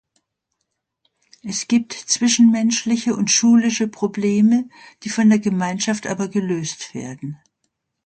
Es gibt zwischenmenschliche und schulische Probleme, die von der Gemeinschaft aber gelöst werden.